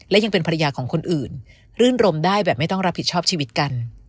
และยังเป็นภรรยาของคนอื่นรื่นรมได้แบบไม่ต้องรับผิดชอบชีวิตกัน